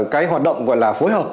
cái hoạt động gọi là phối hợp